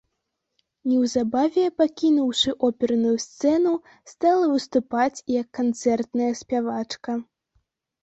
Неўзабаве, пакінуўшы оперную сцэну, стала выступаць як канцэртная спявачка.